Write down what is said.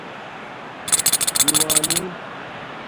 دِیوانی